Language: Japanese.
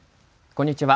こんにちは。